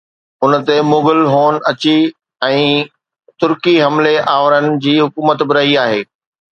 ان تي مغل، هون اڇي ۽ ترڪي حملي آورن جي حڪومت به رهي آهي